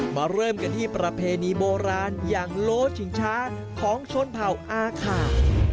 เริ่มกันที่ประเพณีโบราณอย่างโลชิงช้าของชนเผ่าอาคา